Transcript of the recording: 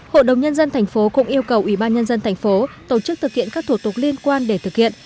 hội đồng nhân dân tp cũng yêu cầu ủy ban nhân dân tp tổ chức thực hiện các thủ tục liên quan để thực hiện